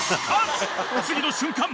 ［次の瞬間